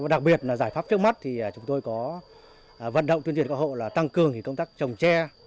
đặc biệt là giải pháp trước mắt thì chúng tôi có vận động tuyên truyền các hộ là tăng cường công tác trồng tre